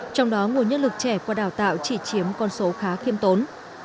trong đó nguồn nhân lực trẻ qua đào tạo chỉ chiếm con số khá khiêm tốn